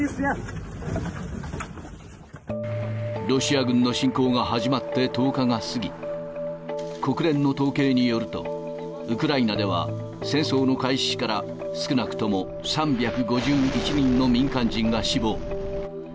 ロシア軍の侵攻が始まって１０日が過ぎ、国連の統計によると、ウクライナでは戦争の開始から少なくとも３５１人の民間人が死亡。